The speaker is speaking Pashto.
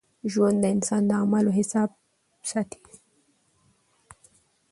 ژوند د انسان د اعمالو حساب ساتي.